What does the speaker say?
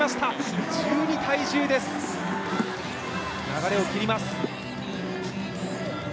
流れを切ります。